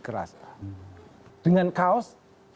keras dengan kaos